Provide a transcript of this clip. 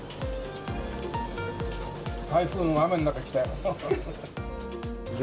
台風の雨の中来たよ。